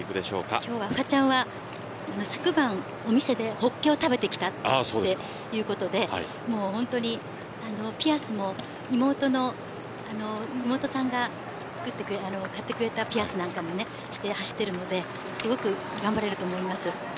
今日は不破ちゃんは昨晩お店でほっけを食べてきたということでピアスも妹が買ってくれたピアスもして走っているのですごく頑張れると思います。